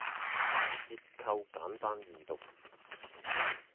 結構簡單易讀